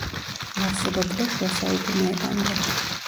არსებობდა შუა საუკუნეებამდე.